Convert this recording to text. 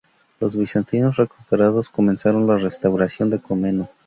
La bizantinos recuperados comenzaron la restauración Comneno.